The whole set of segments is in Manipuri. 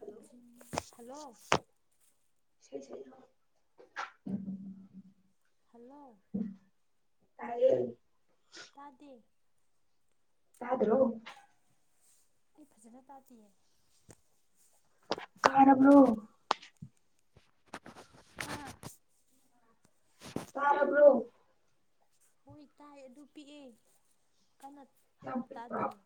ꯍꯜꯂꯣ ꯍꯜꯂꯣ [inaudible] ꯍꯂꯣ ꯍꯥꯏ ꯇꯥꯗꯦ ꯇ꯭ꯗꯔꯣ ꯑꯩ ꯐꯖꯅ ꯇꯥꯗꯤꯌꯦ꯫ ꯇꯥꯔꯕ꯭ꯔꯣ ꯑꯥ ꯇꯥꯔꯕ꯭ꯔꯣ꯫ ꯍꯣꯏ ꯇꯥꯏ ꯑꯗꯨ ꯄꯤꯛꯑꯦ꯫ ꯀꯟꯅ ꯌꯥꯝ ꯍꯧꯅ ꯄꯤꯛꯄ꯭ꯔꯣ ꯇꯥꯗꯤꯌꯦ꯫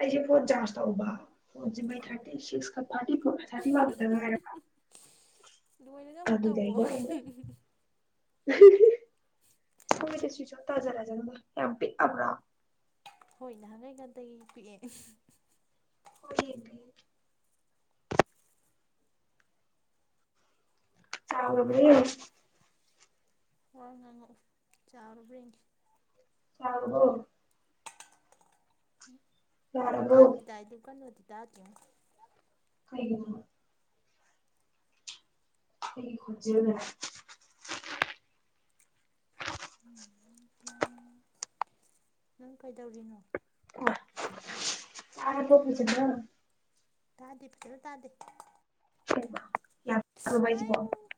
ꯑꯩꯁꯦ ꯐꯣꯟ ꯆꯥꯔꯖ ꯇꯧꯕ ꯐꯣꯟꯁꯦ ꯃꯩ ꯊꯥꯇꯤ ꯁꯤꯛꯁ ꯈꯛ꯫ ꯊꯥꫪꯇꯤꯐꫭꫪ ꯊꯥꫪꯇꯤꯋꯥꯟ ꯈꯠꯇ ꯉꯥꯏꯔꯕ ꯂꯣꯏꯔꯒ ꯑꯃꯨꯛ ꯇꯧꯋꯣ ꯑꯗꯨꯗꯩꯩꯗ ꯑꯩꯅ꯫ [unintelligible] ꯍꫭꯏꯗ ꯁ꯭ꯋꯤꯆ ꯑꫭꯐ ꯇꯥꯖꯔꯖꯅꯨꯗ ꯌꯥꯝ ꯄꯤꯛꯑꯕ꯭ꯔꫭ꯫ ꯍꯣꯏ ꯅꯍꯥꯟꯉꯩ ꯒꯇꯒꯤ ꯄꯤꯛꯑꯦ꯫ [unintelligible] ꯆꯥꯎꯔꯕ꯭ꯔꯥꯌꯦꯡꯉꯨ꯫ ꯋꯥ ꯉꯪꯉꯛꯑꯣ ꯆꯥꯎꯔꯕ꯭ꯔ ꯌꯦꯡꯒꯦ꯫ ꯌꯥꯔꯕ꯭ꯔꫭ꯫ [unintelligible] ꯍꯣꯏ ꯌꯥꯔꯕ꯭ꯔꯣ ꯇꯥꯕꯨꯗꯤ ꯇꯥꯏ ꯗꯨ ꯀꯥꯟꯅꯗꯤ꯫ ꯇꯥꯗꯦꯉꫭ꯫ ꯀꯩꯒꯤꯅꯣ꯫ ꯑꯩꯒꯤ ꯈꫭꯟꯖꯦꯜꯅꯔ꯫ ꯅꯪ ꯀꯩꯗꯧꯔꯤꯅꯣ꯫ [unintelligible] ꯇꯥꯔꯕꫭ ꯐꯖꯅ꯫ ꯇꯥꯗꯦ ꯐꯖꯅ ꯇꯥꯗꯦ꯫ [unintelligible] ꯌꯥꯝ ꯄꯤꯛꯑꯕ꯭ꯔ ꯍꯥꯏꯁꯤꯕꯣ꯫ ꯑꯩꯌꯨ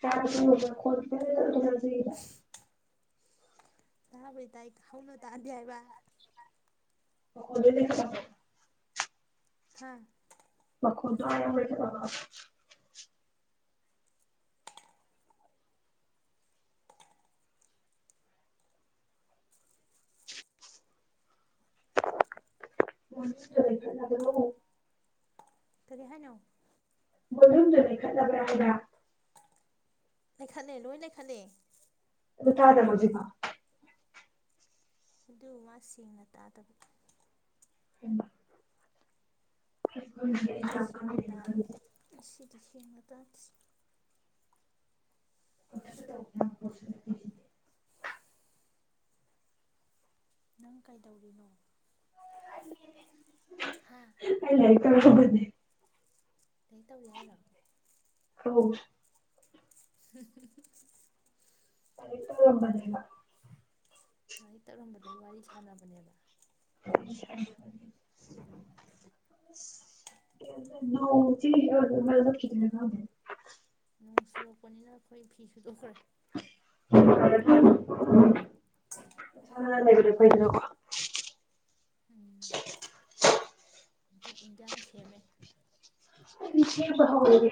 ꯇꯥꯔꯖꯨ ꯅꯈꫭꯟ ꯈꯤꯇꯪ ꯂꯩꯈꯠꯂꯨꯗꯅ꯫ [unintelligible] ꯇꯥꯕꯨꯗꯤ ꯇꯥꯏ ꯍꯧꯅ ꯇꯥꯗꯦ ꯍꯥꯏꯕ꯫ ꯃꯈꫭꯟ ꯂꫭꯏ ꯂꯩꯈꯠꯂꯕꫭ꯫ ꯍꯥꯥ꯫ ꯃꯈꯣꯟꯗꫭ ꯑꯥ ꯌꯧꯅ ꯂꯩꯈꯠꯂꫭꯕ꯫ ꯚꫭꯂꯨꯝꯗꫭ ꯂꯩꯈꯠꯂꯕꯔꫭ꯫ ꯀꯔꯤ ꯍꯥꯏꯅꯣ꯫ ꯚꫭꯂꯨꯝꯗꫭ ꯂꯩꯈꯠꯂꯕ꯭ꯔꯥ ꯍꯥꯏꯕ꯫ ꯂꯩꯈꯠꯂꯦ ꯂꯣꯏ ꯂꯩꯈꯂꯦ꯫ ꯑꯗꯨꯒ ꯇꯥꯗꯕ ꯍꯧꯖꯤꯛꯕꯥꯎ꯫ ꯑꯗꯨ ꯃꯥꯁꯤꯡꯅ ꯇꯥꯗꯕ꯫ ꯍꯩꯃ꯫ ꯑꯩꯖꯨ ꯈꯪꯗꯦ ꯑꯩꯅ ꯌꯥꯝ [unintelligible] ꯗꯤ ꯁꯦꯡꯅ ꯇꯥꯗꯦ꯫ ꯄꯪꯇꯧꯗ ꯇꯧꯕ ꯌꯥꯕ ꯄꫭꯠꯁꯨ ꯅꯠꯇꯦ ꯁꯤꯗꯤ꯫ ꯅꯪ ꯀꯩꯗꯧꯔꯤꯅꯣ꯫ [unintelligible] ꯍꯥꯥ [unintelligible] ꯀꯩ ꯇꯧꯔꯤ ꯍꯥꯏꯅꯣ [unintelligible] [unintelligible] ꯂꯥꯏꯔꯤꯛ ꯇꯧꯔꯝꯕꯅꯦꯕ ꯂꯥꯏꯔꯤꯛ ꯇꯧꯔꯝꯕꯗꯩ ꯋꯥꯔꯤ ꯁꯥꯟꯅꯕꯅꯦꯕ [unintelligible] ꯅꯣꯡ ꯆꯨꯔꯛꯄꯅꯤꯅ ꯑꯈꯣꯏ ꯐꯤ ꯁꯨꯗꯣꯛꯈ꯭ꯔꯦ ꯏꯁꯥ ꯅꯥꯟꯅ ꯂꯩꯕꯅ ꯐꯩꯗꯅꯀꯣ ꯎꯝ ꯑꯩ ꯏꯟꯖꯥꯡ ꯁꯦꯝꯃꯦ ꯄꯤꯁꯦꯕ ꯍꯧꯔꯒꯦ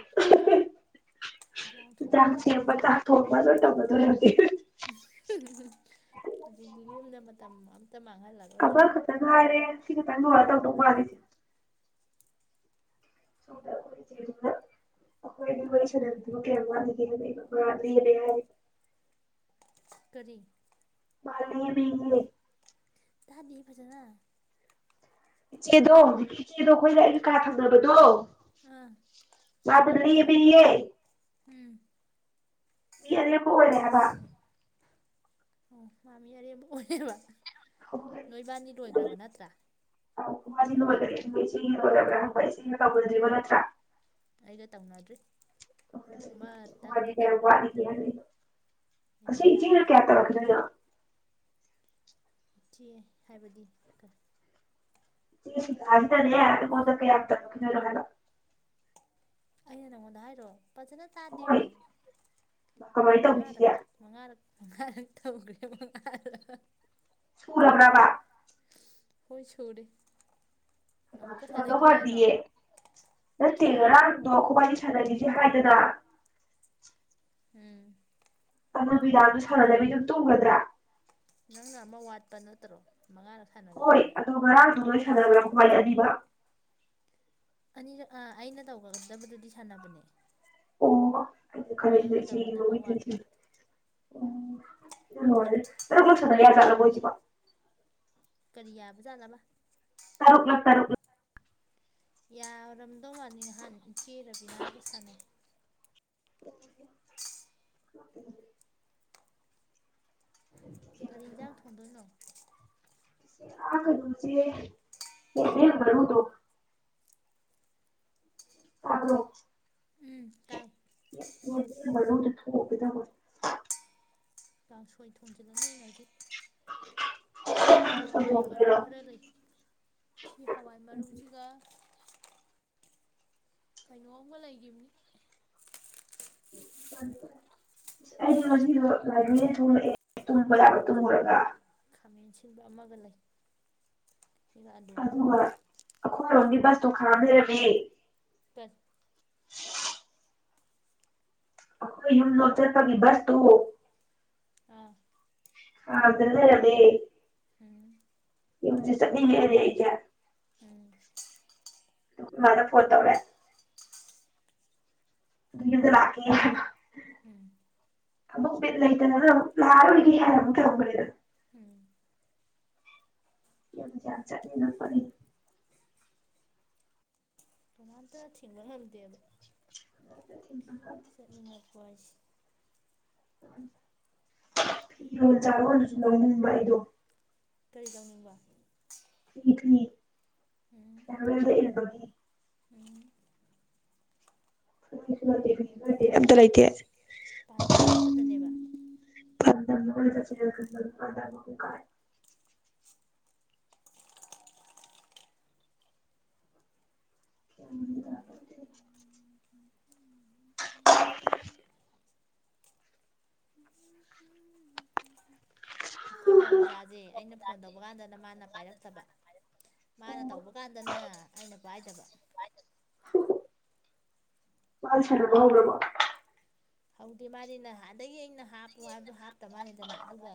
ꯌꯥꯝ ꯆꯥꯛ ꯊꯣꯡꯉꯗꯝꯅꯤ ꯁꯦꯝꯕ ꯍꯧꯖꯤꯛ ꯆꯥꯛ ꯊꯣꯡꯕ ꯂꯣꯏ ꯇꯧꯒꯗꯣꯔꯦ ꯍꯧꯖꯤꯛ ꯍꯧꯖꯤꯛꯇꯤ ꯌꯨꯝꯗ ꯃꯇꯝ ꯑꯃꯇ ꯃꯥꯡꯍꯜꯂꯔꯣꯏꯗꯕꯅꯤ ꯀꯕꯔ ꯈꯛꯇ ꯉꯥꯏꯔꯦ ꯁꯤ ꯈꯇꯪ ꯍꯧꯔꯥ ꯇꯧꯗꯣ ꯃꯥꯜꯂꯤ ꯆꯦ ꯁꯣꯝꯗ ꯑꯈꯣꯏ ꯆꯦꯖꯨꯅ ꯑꯈꯣꯏꯅꯤ ꯋꯥꯔꯤ ꯁꯥꯅꯕꯗꯨꯕꯨ ꯀꯌꯥꯝ ꯋꯥꯠꯂꯤꯒꯦ ꯍꯪꯉꯛꯏꯕ [unintelligible] ꯍꯥꯏꯔꯤ ꯀꯔꯤ ꯃꯥ ꯂꯦꯝꯃꯦꯌꯦ ꯇꯥꯗꯤꯌꯦ ꯐꯖꯅ ꯏꯆꯦꯗꯣ ꯍꯧꯖꯤꯛꯀꯤ ꯏꯆꯦꯗꯣ ꯑꯈꯣꯏꯒ ꯑꯩꯒ ꯀꯥ ꯊꯪꯅꯕꯗꯣ ꯑꯥ ꯃꯥꯥꯗꯣ ꯂꯦꯝ ꯄꯤꯌꯦ ꯎꯝ ꯃꯤ ꯑꯔꯦꯝ ꯊꯣꯛꯑꯅꯤ ꯍꯥꯏꯕ ꯑꯣ ꯃꯥ ꯃꯤ ꯑꯔꯦꯝꯕ ꯑꯣꯏꯔꯦꯕ ꯅꯣꯏꯕꯥꯅꯤ ꯂꯣꯏꯒꯔꯥꯕ ꯅꯠꯇ꯭ꯔꯥ ꯑꯧ ꯈꯣꯏꯕꯅꯤ ꯂꯣꯏꯒꯔꯦ ꯑꯗꯨꯒ ꯏꯆꯦꯒꯤ ꯂꯣꯏꯔꯕꯔꯥ ꯍꯪꯕ ꯏꯆꯦꯒꯤ ꯇꯧꯅꯗꯔ꯭ꯤꯕ ꯅꯠꯇꯔꯥ ꯑꯩꯒ ꯇꯧꯅꯗ꯭ꯔꯤ [unintelligible] ꯑꯃꯇꯪꯗꯤ ꯀꯌꯥꯝ ꯇꯧꯈ꯭ꯔꯦ ꯋꯥꯠꯂꯤꯒꯦ ꯍꯪꯉꯛꯏꯕꯥ ꯑꯁꯤ ꯏꯆꯦꯅ ꯏꯟꯗꯤꯔꯥꯒꯁꯨ ꯀꯌꯥ ꯇꯧꯅꯗ꯭ꯔꯤ ꯇꯧꯔꯛꯈꯤꯗꯣꯏꯅꯣ ꯊꯤ ꯍꯥꯏꯕꯗꯤ ꯐꯔꯦ ꯏꯆꯦ ꯁꯤꯂꯥ ꯒꯤꯗꯅꯦ ꯑꯩꯉꯣꯟꯗꯥ ꯀꯌꯥꯝ꫰ꯇꯧꯔꯛꯈꯤꯗꯣꯏꯅꯣ ꯍꯥꯏꯕ ꯑꯩꯅ ꯅꯪꯉꯣꯟꯗ ꯍꯥꯏꯔꯣ ꯄꯖꯅ ꯇꯥꯗꯃꯤ ꯍꯣꯏ ꯀꯃꯥꯏꯅ ꯃꯉꯥꯔꯛ ꯇꯧꯕꯤꯁꯤꯒꯦ ꯃꯉꯥꯔꯛ ꯑ ꯇꯧꯒꯔ꯭ꯦ ꯃꯉꯥ ꯔꯛ ꯁꯨꯔꯕ꯭ꯔꯕ ꯍꯣꯏ ꯁꯨꯔꯦ ꯍꯩꯃꯥ ꯑꯃꯨꯛ ꯁꯨꯔꯝꯗꯧ ꯃꯥꯟꯗꯤꯌꯦ ꯌꯥꯏꯔꯣ ꯅꯠꯇꯦ ꯍꯥ ꯉꯔꯥꯡꯗꯣ ꯈꯣꯕꯥꯅꯤ ꯁꯥꯟꯅꯒꯤꯖꯦ ꯍꯥꯏꯗꯅ [inaudible] ꯎꯝ ꯑꯥꯅꯨ ꯕꯤꯗꯥꯗꯨ ꯁꯥꯟꯅꯕꯤꯗꯨꯝ ꯇꯨꯝꯒꯗ꯭ꯔꯥ ꯇꯔꯣ ꯍꯣꯏ ꯑꯗꯨ ꯉꯔꯥꯡꯗꯨ ꯁꯥꯅꯕꯔꯥ ꯈꯣꯕꯅꯤ ꯑꯅꯤꯃꯛ ꯑꯅꯤꯔꯛ ꯑ ꯩꯅ ꯇꯧꯒꯗꯕꯗꯨꯗꯤ ꯁꯥꯟꯅꯕꯅꯦ ꯑꯣ ꯈꯔꯁꯦ ꯅꯪꯅ ꯁꯤ ꯇꯧꯒꯗꯕ ꯑꯣꯏꯗ꯭ꯔꯗꯤ ꯋꯥꯠꯄ [unintelligible] ꯁꯥꯟꯅ ꯌꯥ ꯖꯥꯠꯂꯣ ꯃꯣꯏꯁꯤꯕꯣ ꯀꯔꯤ ꯌꯥꯕꯖꯥꯠꯂꯕ ꯇꯔꯨꯛꯂꯛ ꯇꯔꯨꯛꯂ ꯌꯥꯔꯝ ꯇꯣꯉꯥꯟꯅꯤ ꯍꯥꯟ ꯏꯆꯦ ꯔꯕꯤꯅꯥꯒ ꯁꯥꯟꯅꯩꯩ [unintelligible] ꯀꯔꯤ ꯏꯟꯖꯥꯡ ꯊꯣꯡꯗꯣꯏꯅꯣ ꯑꯥ ꯀꯩꯅꯣꯗꯣ ꯆꯦ ꯌꯦꯟꯗꯦꯝ ꯃꯔꯨꯗꯣ [unintelligible] ꯇꯥꯕ꯭ꯔꯣ ꯎꯝ ꯇꯥꯏ ꯃꯔꯨꯝ ꯑꯣꯕꯤꯗꯕ ꯀꯥꯡꯁꯣꯏ ꯊꯣꯡꯖꯤꯜꯂꯅꯤ ꯉꯁꯤ [unintelligible] ꯍꯋꯥꯏ ꯃꯔꯨ ꯁꯪꯒꯣꯝꯗꯨꯔꯣ ꯈꯔ ꯂꯩ ꯁꯤ ꯍꯋꯥꯏ ꯃꯔꯨꯁꯤꯒ ꯀꯩꯅꯣꯝꯒ ꯂꯩꯒꯤꯝꯅꯤ [unintelligible] ꯑꯩꯗꯤ ꯀꯔꯤ ꯉꯁꯤꯗꯣ ꯂꯥꯏꯕ꯭ꯔꯤ ꯇꯨꯝꯃꯛꯑꯦ ꯇꯨꯝꯕ ꯌꯥꯕ ꯇꯨꯝꯃꯨꯔꯒ ꯃꯦꯟꯁꯤꯟꯕ ꯑꯃꯒ ꯂꯩ ꯁꯤꯒ ꯑꯂꯨꯒ ꯑꯗꯨꯒ ꯑꯩꯈꯣꯏꯔꯣꯝꯒꯤ ꯕꯁꯇꯣ ꯈꯥꯝꯂꯩꯔꯝꯃꯦ ꯇꯠ ꯑꯩꯈꯣꯏ ꯌꯨꯝꯗꯣ ꯆꯠꯄꯒꯤ ꯕꯁꯇꯣ ꯑꯥ ꯈꯥꯝꯗꯅ ꯂꯩꯔꯝꯃꯦ ꯎꯝ ꯌꯨꯝꯖꯦ ꯆꯠꯅꯤꯡꯉꯛꯑꯦꯅꯦ ꯑꯩꯖꯦ ꯎꯝ ꯗꯨ ꯈꯣꯏꯃꯥꯗ ꯐꯣꯟ ꯇꯧꯔꯦ ꯑꯗꯨ ꯌꯨꯝꯗ ꯂꯥꯛꯀꯦ ꯍꯥꯏꯕ ꯎꯝ ꯑꯃꯨꯛ ꯕꯤꯠ ꯂꯩꯇꯅ ꯑꯃꯨꯛ ꯂꯥꯛꯔꯣꯏꯒꯦ ꯍꯥꯏꯔ ꯑꯃꯨꯛ ꯊꯝꯒ꯭ꯔꯦ ꯎꯝ ꯌꯨꯝꯗ ꯆꯠꯅꯤꯡꯉꯛꯄꯒꯤ ꯀꯅꯥꯝꯇꯅ ꯊꯤꯡꯕ ꯉꯝꯗꯦꯕ [unintelligible] ꯆꯠꯅꯤꯡꯉꯛꯄꯁꯦ ꯐꯤꯔꯣꯟ ꯆꯥꯔꯣꯟꯁꯨ ꯂꯧꯅꯤꯡꯕ ꯑꯩꯗꯣ ꯀꯔꯤ ꯇꯧꯅꯤꯡꯕ ꯐꯤ ꯐꯤ ꯎꯝ ꯐꯦꯌꯔꯋꯦꯜꯗ ꯏꯟꯕꯒꯤ ꯎꯝ ꯐꯨꯔꯤꯠꯁꯨ ꯂꯩꯇꯦ ꯐꯤꯁꯨ ꯂꯩꯇꯦ ꯑꯝꯇ ꯂꯩꯇꯦ ꯃꯥ ꯄꯥꯟꯗꯝ ꯑꯃꯗꯅꯦꯕ [unintelligible] [unintelligible] [unintelligible] ꯑꯩꯈꯣꯏ ꯃꯧ ꯃꯆꯥꯁꯦ ꯑꯩꯅ ꯐꯣꯟ ꯇꯧꯕ ꯀꯥꯟꯗꯅ ꯃꯥꯅ ꯄꯥꯏꯔꯛꯇꯕ ꯃꯥꯅ ꯇꯧꯕ ꯀꯥꯟꯗꯅ ꯑꯩꯅ ꯄꯥꯏꯗꯕ ꯃꯥꯏ ꯁꯥꯅꯕ ꯍꯧꯔꯕꯣ ꯍꯧꯗꯤ ꯃꯥꯗꯤ ꯅꯍꯥꯟꯗꯒꯤ ꯑꯩꯅ ꯍꯥꯞꯄꯨ ꯍꯥꯏꯕꯗꯣ ꯍꯥꯞꯇ ꯃꯅꯤꯗꯅ ꯑꯗꯨꯒ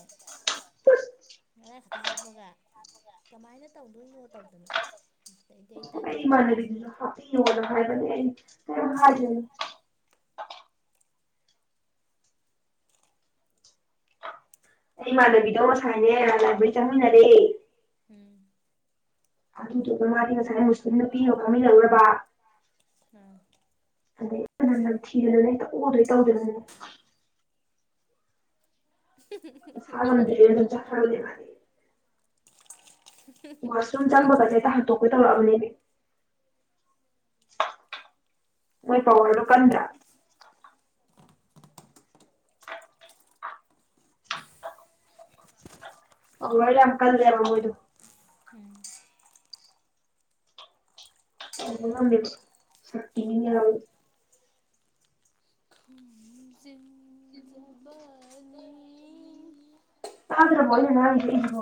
ꯉꯥꯔꯥꯡ ꯈꯛꯇ ꯍꯥꯞꯄꯒ ꯀꯃꯥꯏ ꯅ ꯇꯧ ꯇꯥꯅꯤꯡꯉꯛꯇꯕ [unintelligible] [unintelligible] ꯑꯩ ꯏꯃꯥꯟꯅꯕꯤꯗꯣ ꯉꯁꯥꯏꯅꯦ ꯂꯥꯏꯕ꯭ꯔꯤ ꯆꯪꯃꯤꯟꯅꯔꯦ ꯎꯝ ꯑꯗꯨꯗꯨꯒ ꯃꯥꯗꯤ ꯉꯁꯥꯏ ꯃꯨꯁꯂꯤꯝ ꯅꯨꯄꯤ ꯑꯒ ꯐꯥꯃꯤꯅꯧꯔꯕ ꯑ ꯑꯗꯩ ꯃꯥꫪꯝ ꯅꯝꯊꯤꯗꯅꯅꯦ ꯍꯦꯛꯇ ꯑꯣꯗꯣꯏ ꯇꯧꯗꯅꯅꯦ [unintelligible] [unintelligible] ꯋꯥꯁꯔꯨꯝ ꯆꯥꯡꯕꯒꯦ [unintelligible] ꯃꯣꯏ ꯄꯧꯋ꯭ꯔꯗꫭ ꯀꯟꯗ꯭ꯔ ꯄꯧꯋ꯭ꯔ ꯌꯥꯝ ꯀꯜꯂꯦꯕ ꯃꫭꯏꯗꫭ ꯎꯝ [unintelligible] [unintelligible] ꯆꯤꯟꯖꯕꯅꯤ ꯇꯥꯗꯔꯕꫭ ꯑꯩꯅ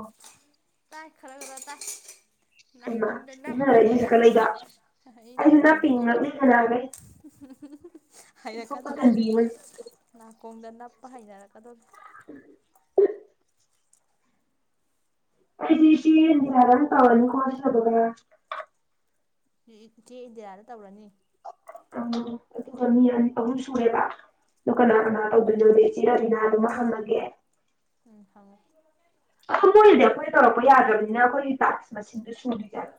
[unintelligible] ꯇꯥꯏ ꯈꯔ ꯈꯔ ꯇꯥꯏ ꯅꯥꯀꯣꯡꯗ ꯅꯞꯄꯤꯅꯦ ꯑꯩ ꯑꯩ ꯅꯥꯀꯣꯡꯁꯦ [unintelligible] [unintelligible] ꯊꯣꯛꯄ ꯍꯩꯔꯛꯀꯗꯧꯔꯦ ꯇꯟꯕꯤ ꯍꯧꯖꯤꯛ ꯑꯃꯅꯤ ꯅꯥꯀꯣꯡꯗ ꯅꯞꯄ ꯍꯩꯅꯔꯛꯀꯗꯧꯔꯦ ꯑꯩꯗꯤꯗꯤꯅꯤ ꯍꯔꯥꯅ ꯇꯥꯋꯥꯅꯤ ꯀꯁꯗꯒ ꯏꯆꯦ ꯏꯟꯗꯤꯔꯥꯗ ꯇꯧꯔꯅꯤ ꯑ ꯑꯗꯨꯒ ꯃꯤ ꯑꯍꯨꯝ ꯁꯨꯔꯦꯕ ꯑꯗ ꯀꯅꯥ ꯀꯅꯥ ꯇꯧꯗꯣꯏꯅꯣꯗꯤ ꯏꯆꯤꯔꯕꯤꯅꯥ ꯑꯗꯨꯃ ꯍꯪꯉꯒꯦ ꯎꯝ ꯍꯪꯉꯣ ꯑꯣꯏꯔꯤꯗꯤ ꯑꯩꯈꯣꯏꯅ ꯇꯧꯔꯛꯄ ꯌꯥꯗ꯭ꯔꯕꯅꯤꯅ ꯑꯩꯈꯣꯏꯒꯤ ꯇꯥꯛꯁ ꯃꯁꯤꯡꯗꯨ ꯁꯨꯗꯣꯏ ꯌꯥꯕ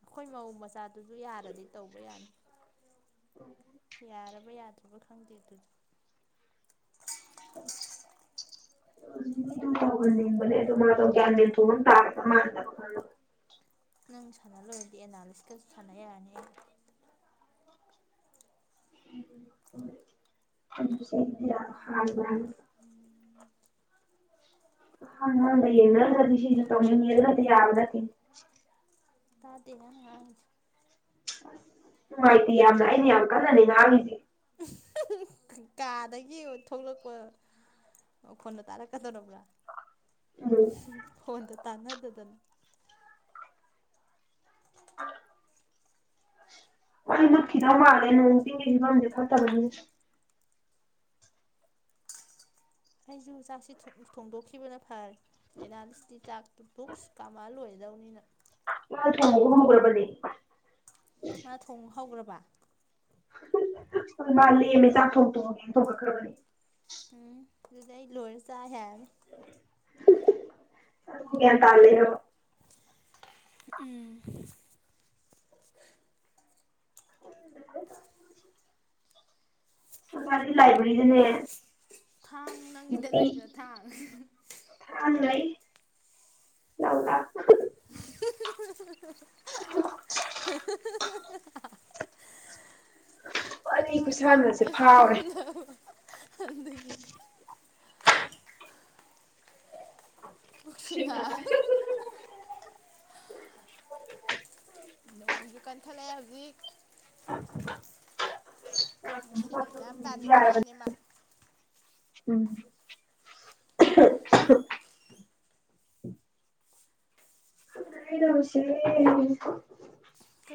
ꯑꯩꯈꯣꯏ ꯃꯎ ꯃꯆꯥ ꯗꯨꯁꯨ ꯌꯥꯔꯗꯤ ꯇꯧꯕ ꯌꯥꯅꯤ ꯅ ꯌꯔꯕ ꯌꯥꯗ꯭ꯔꯤꯕ ꯈꯪꯗꯦ ꯑꯗꯨꯗꯤ [inaudible] ꯅꯪ ꯁꯥꯟꯅ ꯂꯣꯏꯔꯗꯤ ꯑꯦꯅꯥꯂꯤꯁꯀꯁꯨ ꯁꯥꯟꯅ ꯌꯥꯔꯅꯤ ꯑꯩ [inaudible] [inaudible] [inaudible] ꯇꯗꯦ ꯅꯪ ꯉꯥꯡ ꯏꯗꯣ ꯅꯨꯡꯉꯥꯏꯇꯦ ꯌꯥꯝꯅ ꯑꯩꯅ ꯌꯥꯝ ꯀꯟꯅꯅꯦ ꯉꯥꯡꯉꯏꯁꯦ ꯀꯥꯗꯒꯤ ꯊꯣꯛꯂꯛꯄ ꯃꯈꯣꯟꯗꯣ ꯇꯥꯔꯛꯀꯗꯧꯔꯃꯤ ꯎꯝ ꯈꯣꯟꯗꯣ ꯇꯥꯟꯅ ꯗꯗꯅ ꯃꯩ ꯃꯨꯠꯈꯤꯗꯧ ꯃꯥꯜꯂꯦ ꯅꯣꯡ ꯆꯤꯡꯒꯤ ꯐꯤꯚꯝꯁꯨ ꯐꯠꯇꯕꯅꯤꯅ ꯑꯩꯁꯨ ꯆꯥꯛꯁꯤ ꯊꯣꯡꯗꯣꯛꯈꯤꯕꯅ ꯐꯔꯦ ꯑꯦꯅꯥꯂꯤꯁꯤꯇꯗꯤ ꯆꯥꯛꯇꯣ ꯕꯨꯛꯁ ꯀꯥꯝꯃ ꯂꯣꯏꯒꯗꯧꯅꯤꯅ ꯃ ꯊꯣꯡꯕ ꯍꯧꯈ꯭ꯔꯕꯅꯦ ꯃꯥ ꯊꯣꯡ ꯍꯧꯈ꯭ꯔꯕ ꯕ [inaudible] ꯎꯝ ꯑꯗꯨꯗꯤ ꯑꯩ ꯂꯣꯏꯔ ꯆꯥ ꯌꯔꯅꯤ [inaudible] ꯑꯩꯅ ꯒ꯭ꯌꯥꯟ ꯇꯥ ꯂꯣꯏꯕꯒ ꯂꯩꯔꯕ ꯎꯝ ꯉꯁꯥꯏꯗꯤ ꯂꯥꯏꯕ꯭ꯔꯦꯔꯤ ꯗꯅꯦ ꯊꯡ ꯅꯪꯒꯤꯗ ꯂꯩꯕ꯭ꯔ ꯊꯥꯡ ꯂꯧ ꯂꯥꯎ [inaudible] [inaudible] ꯋꯥꯔꯤ ꯊꯡꯗꯧ ꯈꯨꯁꯥꯟꯅꯁꯦ ꯐꯥꯎꯔꯦ ꯂꯩꯔꯝꯗꯕ ꯑꯗꯨꯒꯤ ꯄꯨꯛꯁꯤ ꯅꯥꯔꯦ ꯁꯤꯃꯉꯥꯏ [inaudible] ꯅꯣꯡꯁꯨ ꯀꯟꯈꯠꯂꯛꯑꯦ ꯍꯧꯖꯤꯛ ꯉꯁꯤ ꯅꯨꯃꯤꯠꯁꯦ ꯌꯥꯝ ꯇꯥꯅꯤꯡꯉ ꯌꯥꯔꯕꯅꯦ ꯃꯅꯦ ꯃꯥ ꯎꯝ [inaudible] ꯁꯦ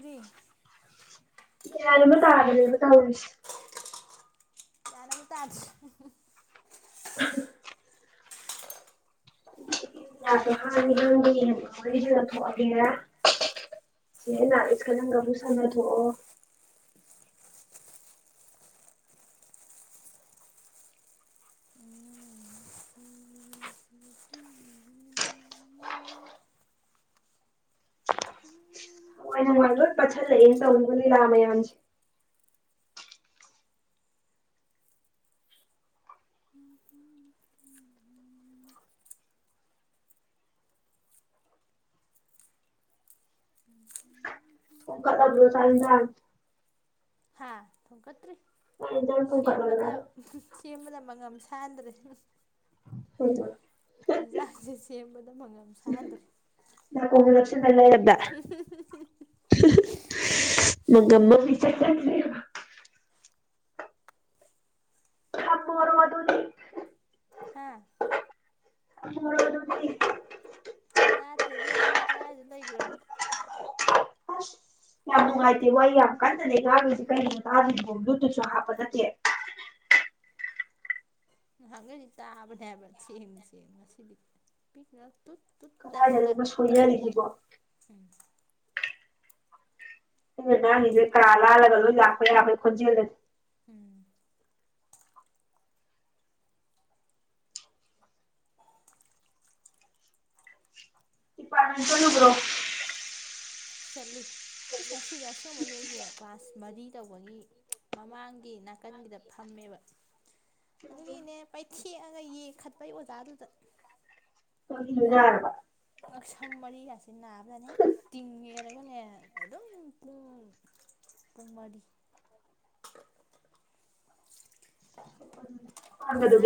ꯀꯔꯤ ꯒꯤꯌꯥꯟ ꯑꯃ ꯇꯥꯗ꯭ꯔꯦꯅꯦ ꯇꯧꯔꯤꯁꯦ ꯒꯤꯌꯥꯟ ꯑꯕꯨ ꯇꯗ꯭ꯔꯦ [unintelligible] ꯀꯔꯤ [unintelligible] ꯁꯥꯅꯊꯣꯛꯑꯣ ꯍꯅꯨꯡꯋꯥꯥꯏ ꯅꯨꯡꯉꯥꯏꯕ ꯂꯣꯏꯅ ꯄꯠꯁꯤꯜꯂꯛꯑ ꯇꯧꯔꯤꯕ ꯂꯤꯂꯥ ꯃꯌꯥꯝꯁꯦ ꯊꯣꯡꯒꯠꯂꯕ꯭ꯔꯣ ꯆꯥꯛ ꯏꯟꯖꯥꯟ ꯍꯥꯥ ꯊꯣꯡꯒꯠꯇ꯭ꯔꯤ ꯆꯥꯛ ꯏꯟꯖꯥꯡ ꯊꯣꯡꯀꯠꯂꯕ꯭ꯔꯥ ꯁꯦꯝꯕꯗ ꯁꯦꯝꯕꯗ ꯃꯉꯝꯁ ꯇꯥꯗ꯭ꯔꯦ [unintelligible] ꯌꯦꯟꯁꯥꯡꯁꯦ ꯁꯦꯝꯕꯗ ꯃꯉꯝ ꯁꯥꯥꯟꯗ꯭ꯔꯦ [unintelligible] ꯏꯆꯠ ꯆꯠꯂꯦꯕ [unintelligible] ꯍꯥ [unintelligible] ꯇꯥꯗ꯭ꯔꯦ ꯏꯕꯦꯝꯃ ꯅꯪ ꯀꯔꯥꯏꯗ ꯂꯩꯒꯔꯕꯅꯣ ꯑꯁ ꯌꯥꯝ ꯅꯨꯡꯉꯥꯏꯇꯦ ꯋꯥ ꯌꯥꯝ ꯀꯟꯅ ꯂꯩ ꯀꯥꯈꯣꯏꯁꯦ ꯀꯩꯅꯒꯤꯅꯣ ꯇꯥꯗ꯭ꯔꯤꯕꯕꯣ ꯕ꯭ꯂꯨ ꯇꯨꯠꯁꯨ ꯍꯥꯞꯄ ꯅꯠꯇꯦ ꯉꯍꯥꯟꯈꯩꯗꯤ ꯇꯥꯕꯅꯦ ꯍꯥꯏꯕ ꯆꯦꯡ ꯆꯦꯡ ꯉꯁꯤꯗꯤ ꯄꯤꯛ ꯀꯗꯥꯏꯗꯅꯣ ꯑꯃ ꯁꯣꯏꯅꯔꯤꯁꯤꯕꯣ ꯎꯝ ꯅꯪꯅ ꯉꯥꯡꯏꯁꯦ ꯀꯥ ꯂꯥꯜꯂꯒ ꯂꯣꯏ ꯂꯥꯛꯄ ꯌꯥꯕꯩ ꯈꯣꯟꯖꯦꯜꯅꯤ ꯎꯝ ꯗꯤꯄꯥꯔꯃꯦꯟ ꯆꯠꯂꯨꯕ꯭ꯔꯣ ꯆꯠꯂꯨꯏ ꯏꯁ ꯉꯁꯤꯗꯤ ꯑꯁꯦꯡꯕꯩꯁꯨ ꯑꯩꯁꯦ ꯀ꯭ꯂꯥꯁ ꯃꯔꯤ ꯇꯧꯕꯒꯤ ꯃꯃꯥꯡꯒꯤ ꯅꯥꯀꯟꯒꯤꯗ ꯐꯝꯃꯦꯕ ꯑꯗꯨꯒꯤꯅꯦ ꯄꯩꯊꯦꯛꯑꯒ ꯌꯦꯡꯈꯠꯄꯩ ꯑꯣꯖꯥꯗꯨꯗ ꯌꯥꯔꯕ ꯉꯛꯁꯝ ꯃꯔꯤꯒꯥꯁꯦ ꯅꯥꯕꯗꯅ ꯍꯦꯛꯇ ꯇꯤꯡꯉꯦꯔꯒꯅꯦ ꯑꯗꯨꯝ ꯄꯨꯡ ꯄꯨꯡ ꯃꯔꯤ ꯐꯝꯕꯗꯨꯒꯤ ꯑꯣꯖꯥ